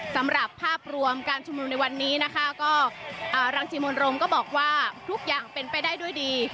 สำหรับภาพรวมการชุมนุมในวันนี้นะคะก็รังสิมนรมก็บอกว่าทุกอย่างเป็นไปได้ด้วยดี